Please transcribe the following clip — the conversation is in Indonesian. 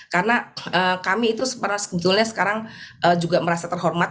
karena kami itu sebetulnya sekarang juga merasa terhormat